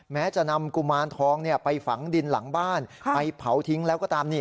แม้จะนำกุมารทองไปฝังดินหลังบ้านไปเผาทิ้งแล้วก็ตามนี่